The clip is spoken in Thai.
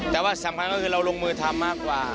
แต่ว่าสำคัญก็คือเราลงมือทำมากกว่า